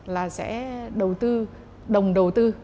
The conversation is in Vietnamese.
là sẽ đầu tư đồng đầu tư